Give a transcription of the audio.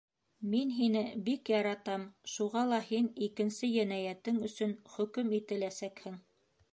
Мин һине бик яратам, Шуға ла һин икенсе енәйәтең өсөн хөкөм итәләсәкһең.